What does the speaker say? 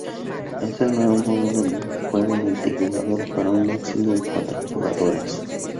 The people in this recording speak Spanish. Es el nuevo modo de juego multijugador para un máximo de cuatro jugadores.